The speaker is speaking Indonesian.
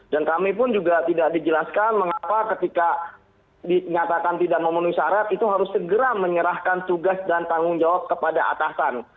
dan kami pun juga tidak dijelaskan mengapa ketika dinyatakan tidak memenuhi syarat itu harus segera menyerahkan tugas dan tanggung jawab kepada atasan